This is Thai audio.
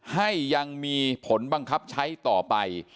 ให้ยังมีผลบังคับใช้ต่อไป